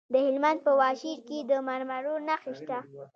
د هلمند په واشیر کې د مرمرو نښې شته.